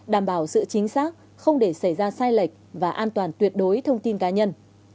đảm bảo sự chính xác không để xảy ra sai lệch và an toàn tuyệt đối thông tin cá nhân